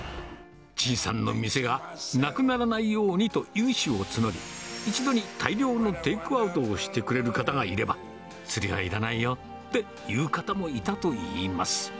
陳さんの店がなくならないようにと融資を募り、一度に大量のテイクアウトをしてくれる方がいれば、釣りはいらないよって言う方もいたといいます。